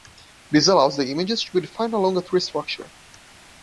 This allows the images to be defined along a tree structure.